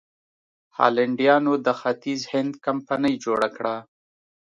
هالنډیانو د ختیځ هند کمپنۍ جوړه کړه.